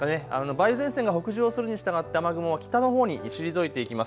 梅雨前線が北上するにしたがって雨雲、北のほうに退いていきます。